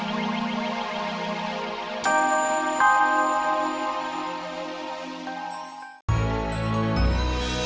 sampai jumpa di video selanjutnya